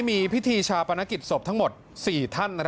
มีพิธีชาปนกิจศพทั้งหมด๔ท่าน